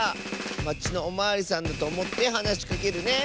まちのおまわりさんだとおもってはなしかけるね！